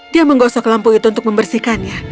dia menggosok lampu itu untuk membersihkannya